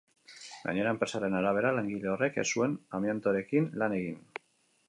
Gainera, enpresaren arabera, langile horrek ez zuen amiantoarekin lan egin.